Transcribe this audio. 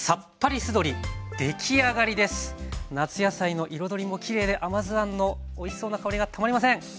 夏野菜の彩りもきれいで甘酢あんのおいしそうな香りがたまりません！